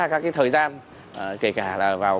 các thời gian kể cả là vào